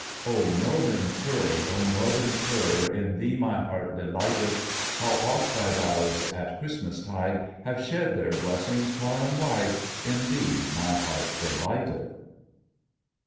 "O northern fir, O northern fir, In thee my heart delighteth, How oft thy boughs at Christmastide Have shed their blessings far and wide; In thee my heart delighteth."